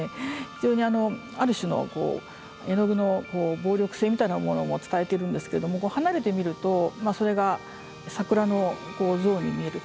非常にある種のこう絵の具の暴力性みたいなものも伝えてるんですけども離れて見るとそれが桜の像に見える。